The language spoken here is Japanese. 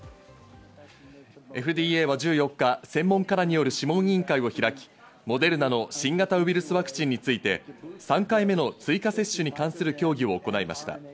ＦＤＡは１４日、専門家らによる諮問委員会を開き、モデルナの新型ウイルスワクチンについて３回目の追加接種に関する協議を行いました。